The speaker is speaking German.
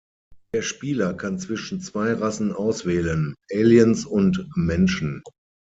Der Spieler kann zwischen zwei Rassen auswählen: Aliens und Menschen.